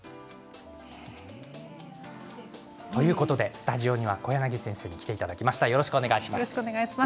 スタジオには小柳先生に来ていただきました。